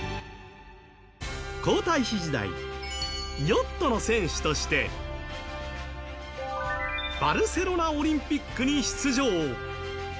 皇太子時代、ヨットの選手としてバルセロナオリンピックに出場。